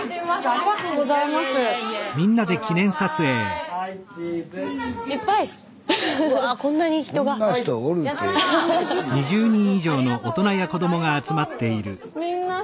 ありがとうございます。